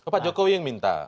pak jokowi yang minta